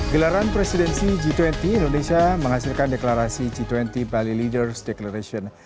gelaran presidensi g dua puluh indonesia menghasilkan deklarasi g dua puluh bali leaders declaration